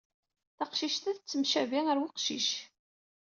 Taqcict-a tettemcabi ɣer uqcic.